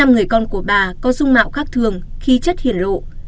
năm người con của bà có dung mạo khác thường khí chất hiển lộ